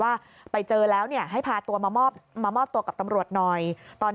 ว่าไปเจอแล้วเนี่ยให้พาตัวมามอบมามอบตัวกับตำรวจหน่อยตอน